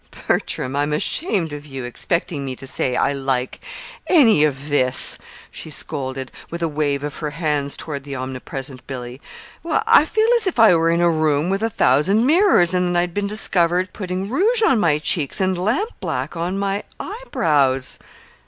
"Bertram, I'm ashamed of you expecting me to say I 'like' any of this," she scolded, with a wave of her hands toward the omnipresent Billy. "Why, I feel as if I were in a room with a thousand mirrors, and that I'd been discovered putting rouge on my cheeks and lampblack on my eyebrows!"